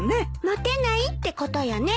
モテないってことよね。